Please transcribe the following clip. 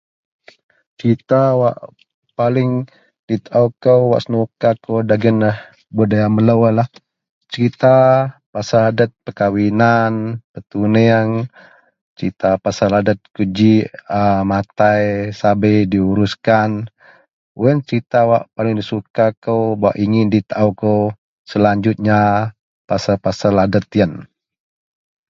Serita wak paling ditaao kou wak senuka dagen budaya melo iyenlah serita pasel adet perkawinan, petuneang serita pasel adet kuji a matai sabei diuruskan wak paling suka kou wak inyin ditaao kou selanjutnya. Pasel adet iyen.